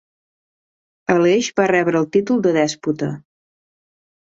Aleix va rebre el títol de dèspota.